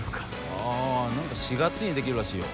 ああ何か４月にできるらしいよ